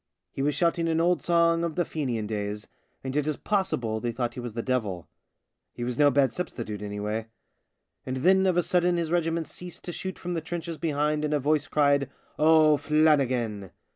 He was shouting an old song of the Fenian days, and it is possible they thought he was the devil. He was no bad substitute anyway. And then of a sudden his regiment ceased to shoot from the trenches behind and a voice cried, " O'Flannigan.'